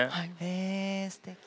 えすてき。